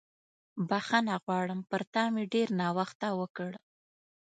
بښنه غواړم، پر تا مې ډېر ناوخته وکړ.